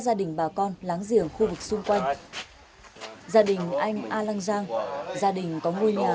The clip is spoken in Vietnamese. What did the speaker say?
gia đình bà con láng giềng khu vực xung quanh gia đình anh a lăng giang gia đình có ngôi nhà